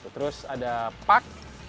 terus ada pak